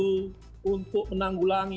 bersatu untuk menanggulangi